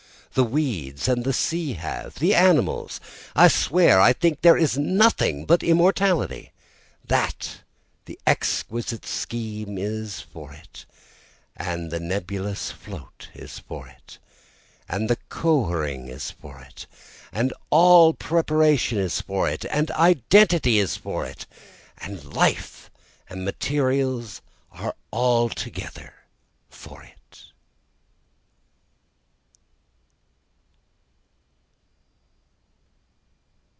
the weeds of the sea have! the animals! I swear I think there is nothing but immortality! That the exquisite scheme is for it, and the nebulous float is for it, and the cohering is for it! And all preparation is for it and identity is for it and life and materials are altogether for it!